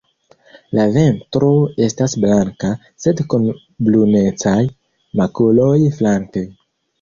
La ventro estas blanka sed kun brunecaj makuloj flanke.